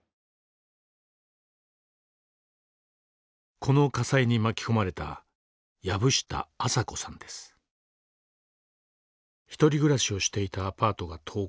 この火災に巻き込まれた一人暮らしをしていたアパートが倒壊。